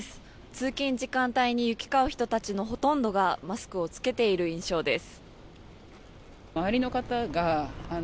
通勤時間帯に行き交う人たちのほとんどがマスクを着けている印象です。